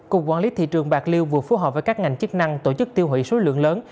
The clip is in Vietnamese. cục quản lý thị trường bạc liêu vừa phối hợp với các ngành chức năng tổ chức tiêu hủy số lượng lớn